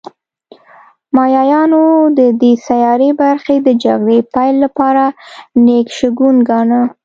مایایانو د دې سیارې برخې د جګړې پیل لپاره نېک شګون گاڼه